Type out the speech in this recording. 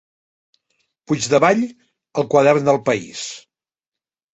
Puigdevall al Quadern d'El País.